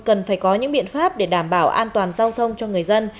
cần phải có những biện pháp để đảm bảo an toàn giao thông cho người dân